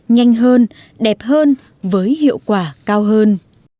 nhanh hơn đẹp hơn với hiệu quả cao hơn